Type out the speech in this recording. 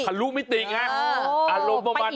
ทะลุมิติไงอารมณ์ประมาณนั้น